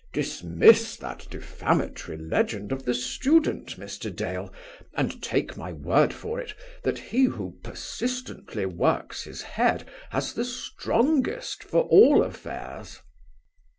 "Dismiss that defamatory legend of the student, Mr. Dale; and take my word for it, that he who persistently works his head has the strongest for all affairs."